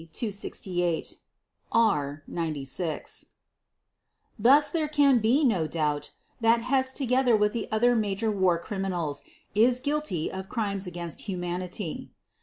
.." (GB 268, R 96) Thus, there can be no doubt that Hess together with the other major war criminals is guilty of Crimes against Humanity.